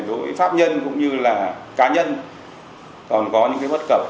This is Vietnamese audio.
đối với pháp nhân cũng như là cá nhân còn có những cái bất cập